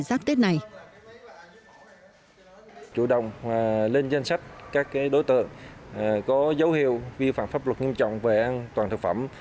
các đối tượng có dấu hiệu vi phạm pháp luật nghiêm trọng về an toàn thực phẩm